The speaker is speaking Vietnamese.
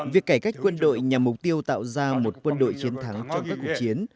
việc cải cách quân đội nhằm mục tiêu tạo ra một quân đội chiến thắng trong các cuộc chiến